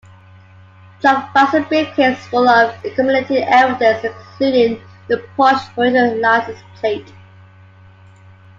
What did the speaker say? Chuck finds a briefcase full of incriminating evidence, including the Porsche's original license plate.